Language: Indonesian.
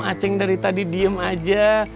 acing dari tadi diim aja